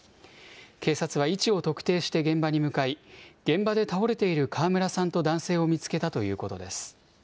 警察は位置を特定して現場に向かい、現場で倒れている川村さんと男性を見つけたということです。